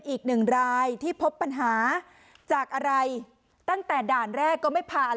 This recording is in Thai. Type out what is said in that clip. อีกหนึ่งรายที่พบปัญหาจากอะไรตั้งแต่ด่านแรกก็ไม่ผ่าน